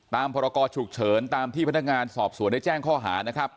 พรกรฉุกเฉินตามที่พนักงานสอบสวนได้แจ้งข้อหานะครับ